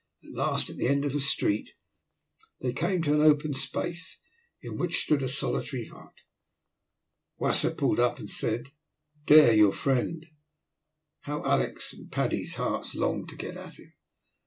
At last, at the end of a street, they came to an open space, in which stood a solitary hut. Wasser pulled up, and said, "Dere your friend." How Alick's and Paddy's hearts longed to get at him!